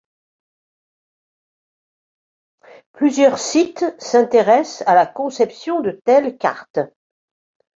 Plusieurs sites s'intéressent à la conception de telles cartes.